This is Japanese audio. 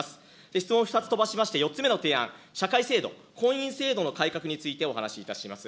質問２つ飛ばしまして、４つ目の提案、社会制度、婚姻制度の改革についてお話しいたします。